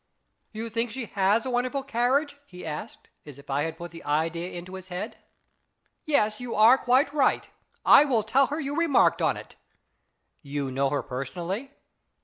" You think she has a wonderful carriage ?" 246 IS IT A MAN? he asked, as if I had put the idea into his head. "Yes, you are quite right. I will tell her you remarked on it." " You know her personally